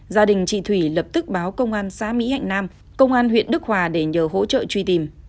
gia đình chị thủy lập tức báo công an xã mỹ hạnh nam công an huyện đức hòa để nhờ hỗ trợ truy tìm